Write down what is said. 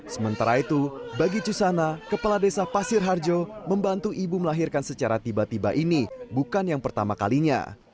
sementara itu bagi cusana kepala desa pasir harjo membantu ibu melahirkan secara tiba tiba ini bukan yang pertama kalinya